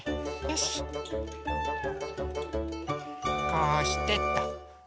こうしてっと。